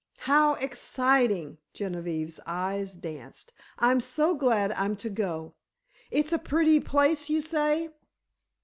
"How exciting!" Genevieve's eyes danced. "I'm so glad I'm to go. It's a pretty place, you say?"